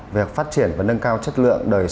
việc phát triển và nâng cao chất lượng đời sống